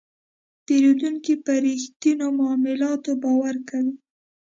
پیرودونکی په رښتینو معلوماتو باور کوي.